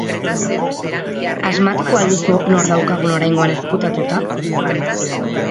Asmatuko al duzu nor daukagun oraingoan ezkutatuat?